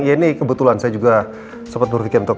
ya ini kebetulan saya juga sempat berpikir untuk